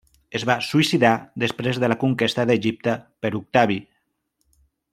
Es va suïcidar després de la conquesta d'Egipte per Octavi.